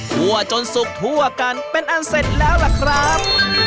จนสุกทั่วกันเป็นอันเสร็จแล้วล่ะครับ